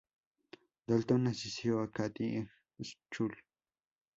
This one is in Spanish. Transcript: Dalton asistió a Katy High School.